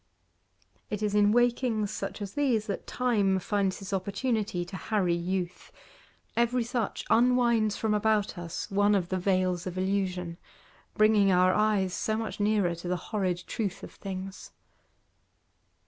It is in wakings such as these that Time finds his opportunity to harry youth; every such unwinds from about us one of the veils of illusion, bringing our eyes so much nearer to the horrid truth of things.